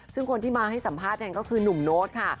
ซึ่งคนที่มาให้สัมภาษณ์แทนก็คือหนุ่มโน้ตค่ะ